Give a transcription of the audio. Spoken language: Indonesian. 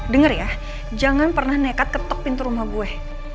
dengar ya jangan pernah nekat ketok pintu rumah gue